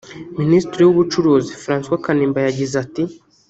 Minisitiri w’Ubucuruzi François Kanimba yagize ati